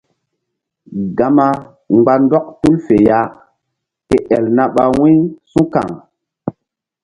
Gama mgba ndɔk tul fe ya ke el na ɓa wu̧y su̧kaŋ.